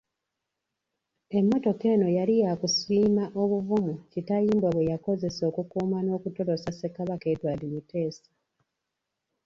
Emmotoka eno yali yakusiima obuvumu Kitayimbwa bwe yakozesa okukuuma n’okutolosa Ssekabaka Edward Muteesa.